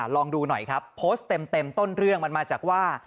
ลองดูหน่อยครับโพสต์เต็มต้นเรื่องมันมาจากว่า